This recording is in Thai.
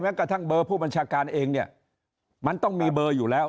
กระทั่งเบอร์ผู้บัญชาการเองเนี่ยมันต้องมีเบอร์อยู่แล้ว